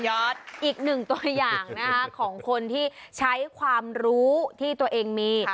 อีกหนึ่งตัวอย่างนะคะของคนที่ใช้ความรู้ที่ตัวเองมี